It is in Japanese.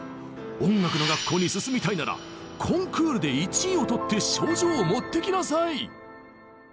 音楽の学校に進みたいならコンクールで１位を取って賞状を持ってきなさい！